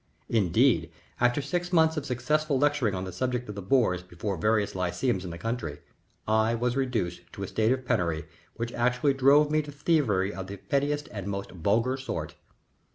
Indeed, after six months of successful lecturing on the subject of the Boers before various lyceums in the country, I was reduced to a state of penury which actually drove me to thievery of the pettiest and most vulgar sort.